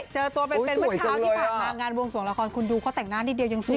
เจอตัวเป็นเมื่อเช้าที่ผ่านมางานวงสวงละครคุณดูเขาแต่งหน้านิดเดียวยังสิ